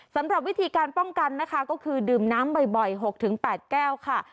สำหรับวิธีการป้องกันนะคะก็คือดื่มน้ำบ่อย๖๘แก้วค่ะ